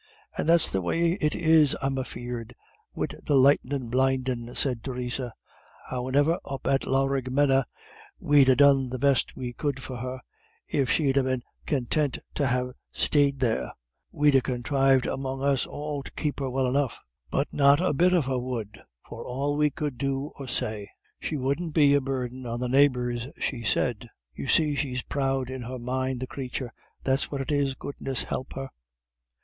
"And that's the way it is, I'm afeared, wid the lightnin' blindin'," said Theresa. "Howane'er, up at Laraghmena we'd ha' done the best we could for her, if she'd ha' been contint to ha' sted there; we'd ha' conthrived among us all to keep her well enough. But not a bit of her would for all we could do or say. She wouldn't be a burden on the neighbours she said. You see she's proud in her mind, the crathur, that's what it is, goodness help her."